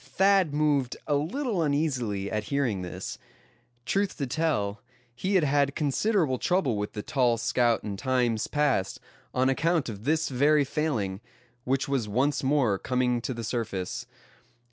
Thad moved a little uneasily at hearing this. Truth to tell, he had had considerable trouble with the tall scout in times past, on account of this very failing, which was once more coming to the surface.